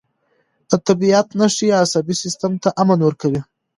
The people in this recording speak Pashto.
د طبیعت نښې عصبي سیستم ته امن ورکوي.